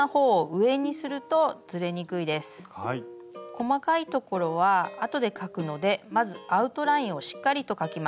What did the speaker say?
細かいところはあとで描くのでまずアウトラインをしっかりと描きます。